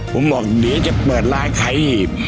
ผมบอกเดี๋ยวจะเปิดร้านขายอีก